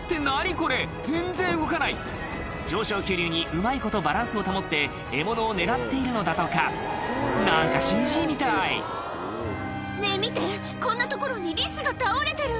これ全然動かない上昇気流にうまいことバランスを保って獲物を狙っているのだとか何かＣＧみたい「ねぇ見てこんな所にリスが倒れてる」